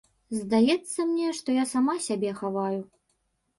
Здаецца мне, што я сама сябе хаваю.